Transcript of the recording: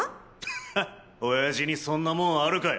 ハッ親父にそんなモンあるかよ！